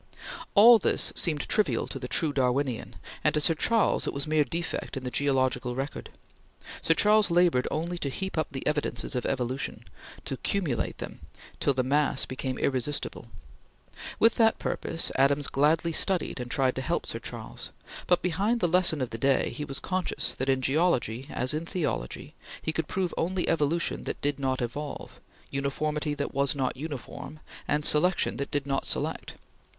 All this seemed trivial to the true Darwinian, and to Sir Charles it was mere defect in the geological record. Sir Charles labored only to heap up the evidences of evolution; to cumulate them till the mass became irresistible. With that purpose, Adams gladly studied and tried to help Sir Charles, but, behind the lesson of the day, he was conscious that, in geology as in theology, he could prove only Evolution that did not evolve; Uniformity that was not uniform; and Selection that did not select.